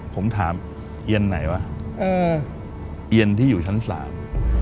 ผมถามเอียนไหนวะเออเอียนที่อยู่ชั้นสาม